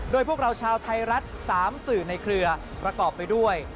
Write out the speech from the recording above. โดยพวกเราชาวไทยรัฐ๓สื่อในเครือประกอบไปด้วย